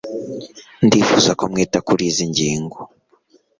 ndifuza ko mwita kuri izi ngingo